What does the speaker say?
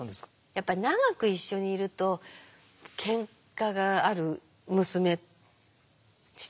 やっぱり長く一緒にいるとけんかがある娘父親だったので。